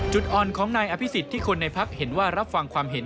จุดอ่อนของนายอภิษฎที่คนในพักเห็นว่ารับฟังความเห็น